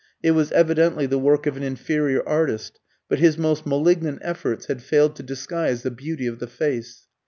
It was evidently the work of an inferior artist, but his most malignant efforts had failed to disguise the beauty of the face.